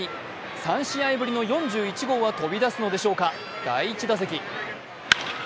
３試合ぶりの４１号は飛び出すのでしょうか、第１打席。